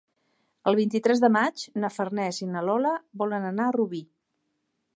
El vint-i-tres de maig na Farners i na Lola volen anar a Rubí.